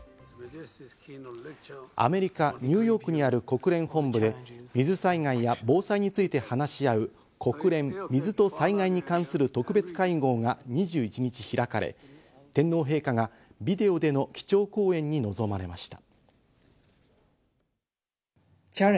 アメリカ・ニューヨークにある国連本部で水災害や防災について話し合う「国連水と災害に関する特別会合」が２１日開かれ、天皇陛下がビデオでの基調講演に臨まれました。